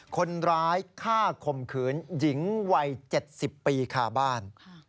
คนร้ายฆ่าข่มขืนหญิงวัย๗๐ปีคาบ้าน